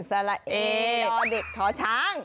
สละเอ่อเด็กช้อช้าง